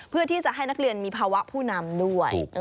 เพื่อที่จะให้นักเรียนมีภาวะผู้นำด้วย